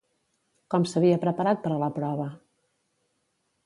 Com s'havia preparat per a la prova?